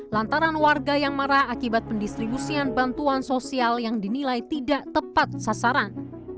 lantaran warga yang marah akibat pendistribusian bantuan sosial yang dinilai tidak tepat sasaran